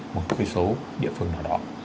một số địa phương nào đó